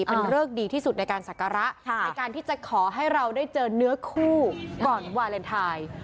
เป็นเริกดีที่สุดในการศักระในการที่จะขอให้เราได้เจอเนื้อคู่ก่อนวาเลนไทย